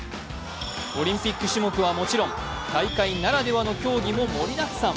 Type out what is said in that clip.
オリンピック種目はもちろん大会ならではの競技も盛りだくさん。